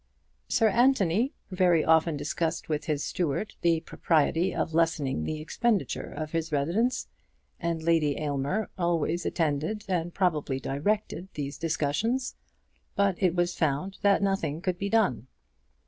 Sir Anthony very often discussed with his steward the propriety of lessening the expenditure of his residence, and Lady Aylmer always attended and probably directed these discussions; but it was found that nothing could be done.